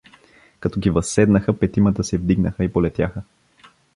Като ги възседнаха, петимата се вдигнаха и полетяха.